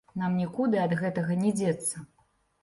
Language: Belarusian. Нам нікуды ад гэтага не дзецца.